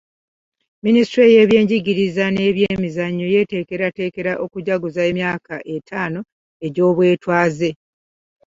Minisitule y'ebyenjigiriza n'ebyemizannyo yeteekeratekera okujjaguza emyaka ataano egy'obwetwaaze